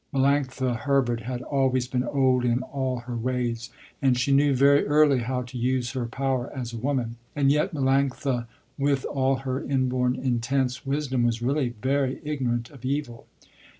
Melanctha Herbert had always been old in all her ways and she knew very early how to use her power as a woman, and yet Melanctha with all her inborn intense wisdom was really very ignorant of evil.